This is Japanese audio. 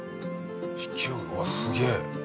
うわっすげえ。